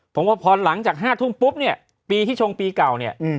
ผมว่าพอหลังจาก๕ทุ่มปุ๊บเนี่ยปีที่ชงปีเก่าเนี่ย